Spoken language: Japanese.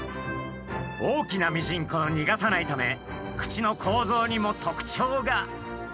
大きなミジンコをにがさないため口の構造にもとくちょうが。